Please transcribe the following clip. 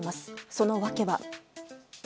その訳は。